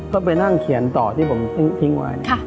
เขาไปนั่งเขียนต่อที่ผมทิ้งวายค่ะ